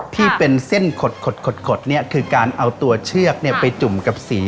ที่เป็นเส้นขดเนี่ยคือการเอาตัวเชือกไปจุ่มกับสี